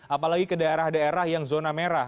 apalagi ke daerah daerah yang zona merah